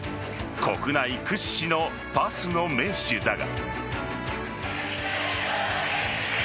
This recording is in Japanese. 国内屈指のパスの名手だが。